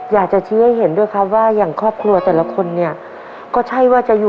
อยากจะชี้ให้เห็นด้วยครับว่าอย่างครอบครัวแต่ละคนเนี่ย